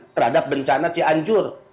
terhadap bencana cianjur